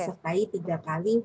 disertai tiga kali